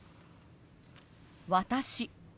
「私」。